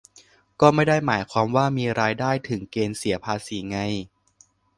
ก็ไม่ได้หมายความว่ามีรายได้ถึงเกณฑ์เสียภาษีไง